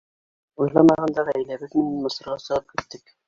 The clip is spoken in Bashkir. Уйламағанда ғаиләбеҙ менән Мысырға сығып киттек.